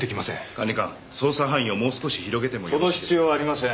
管理官捜査範囲をもう少し広げてもその必要はありません